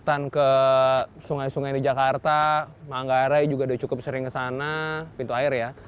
lalu saya menemukan pindah ke sungai sungai di jakarta manggarai juga sudah cukup sering ke sana pintu air ya